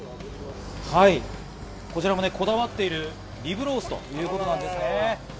こちらもこだわっているリブロースということなんですね。